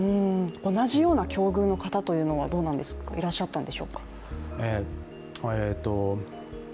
同じような境遇の方というのはいらっしゃったんでしょうか。